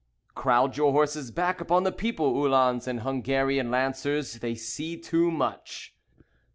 Crowd your horses back upon the people, Uhlans and Hungarian Lancers, They see too much.